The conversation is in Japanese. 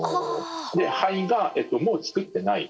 で灰がもう作ってない。